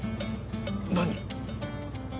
何？